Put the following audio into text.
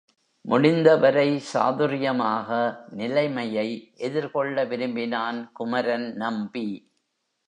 முடிந்தவரை சாதுர்யமாக நிலைமையை எதிர்கொள்ள விரும்பினான் குமரன் நம்பி.